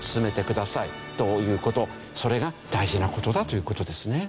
それが大事な事だという事ですね。